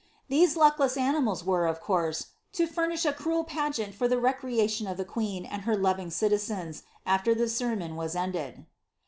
These luckless animals were, of course, to furnish a cruel pageant for the recreation of the queen and her loving citizens, after the sermon was ended.